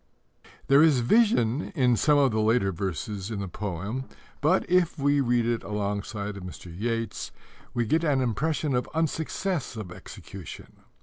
There is vision in some of the later verses in the poem, but, if we read it alongside of Mr. Yeats's, we get an impression of unsuccess of execution.